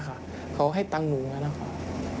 เขาก็ให้ตั้งหนูอย่างนี้ค่ะ